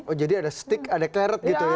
oh jadi ada stick ada carrot gitu ya